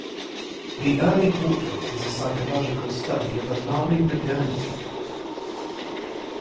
The early portrait is a psychological study of alarming modernity.